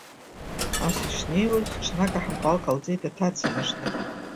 Ас ишнеиуаз, ҽнак аҳампал ҟалҵеит аҭаца-мыжда.